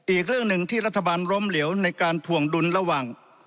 อีกเรื่องหนึ่งที่รัฐบาลล้มเหลวในการถวงดุลระหว่าง